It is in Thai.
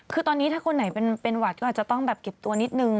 คือตอนนี้ถ้าคนไหนเป็นหวัดก็อาจจะต้องแบบเก็บตัวนิดนึง